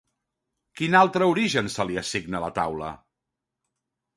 Quin altre origen se li assigna a la Taula?